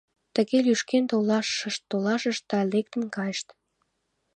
Тыге лӱшкен толашышт-толашышт да лектын кайышт.